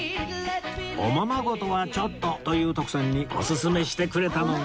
おままごとはちょっとという徳さんにおすすめしてくれたのが